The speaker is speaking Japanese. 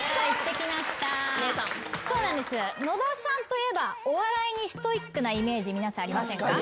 そうなんです野田さんといえばお笑いにストイックなイメージ皆さんありませんか？